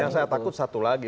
yang saya takut satu lagi